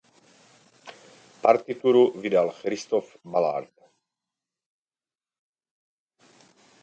Partituru vydal Christophe Ballard.